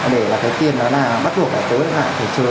để là cái tiền đó là bắt buộc phải tối lại để chơi